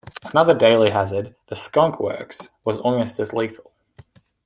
Another daily hazard, the Skonk Works, was almost as lethal.